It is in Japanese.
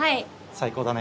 最高だね。